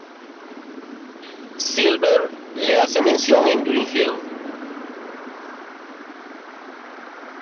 Silver le hace mención en Green Hill.